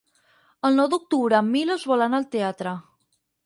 El nou d'octubre en Milos vol anar al teatre.